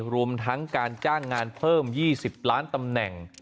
รวมทั้งการจ้างงานเพิ่ม๒๐ล้านตำแหน่ง